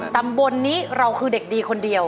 ตำบลนี้เราคือเด็กดีคนเดียว